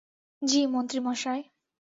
জি, মন্ত্রী মশাই।